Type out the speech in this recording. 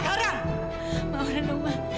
mama udah dong mama